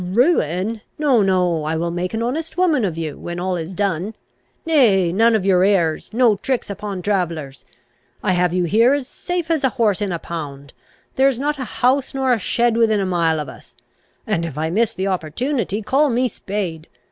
"Ruin! No, no, I will make an honest woman of you, when all is done. Nay, none of your airs; no tricks upon travellers! I have you here as safe AS a horse in a pound; there is not a house nor a shed within a mile of us; and, if I miss the opportunity, call me spade.